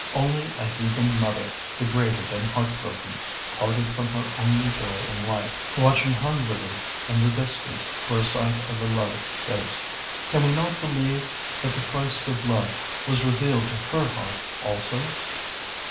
Only a heathen mother, degraded and heart broken, parted from her only joy in life, watching hungrily in the distance for a sight of the loved face. Can we not believe that the Christ of love was revealed to her heart also?